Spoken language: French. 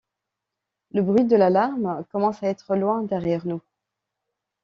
Le bruit de l'alarme commence à être loin derrière nous.